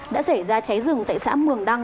đã xảy ra cháy rừng tại xã mường đăng